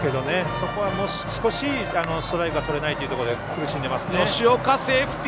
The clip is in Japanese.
そこは、もう少しストライクがとれないというところで苦しんでますね。